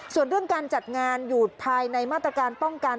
ส่วนเรื่องการจัดงานอยู่ภายในมาตรการป้องกัน